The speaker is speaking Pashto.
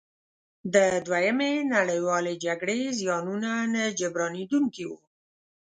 د دویمې نړیوالې جګړې زیانونه نه جبرانیدونکي وو.